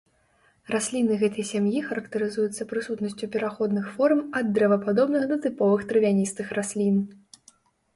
Расліны гэтай сям'і характарызуюцца прысутнасцю пераходных форм ад дрэвападобных да тыповых травяністых раслін.